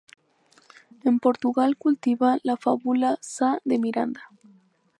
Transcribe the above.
En Portugal cultiva la fábula Sá de Miranda.